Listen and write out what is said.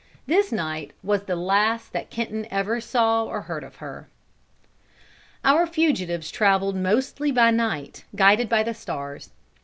This night was the last that Kenton ever saw or heard of her." Our fugitives traveled mostly by night, guided by the stars.